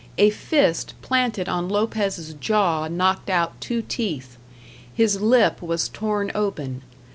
A fist planted on Lopez's jaw knocked out two teeth. His lip was torn open.